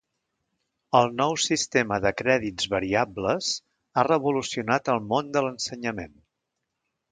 El nou sistema de crèdits variables ha revolucionat el món de l'ensenyament.